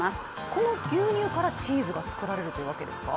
この牛乳からチーズが作られるというわけですか。